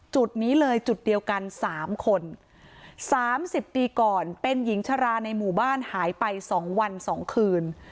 จุดนี้เลยจุดเดียวกัน๓คน๓๐ปีก่อนเป็นหญิงชราในหมู่บ้านหายไป๒วัน๒คืน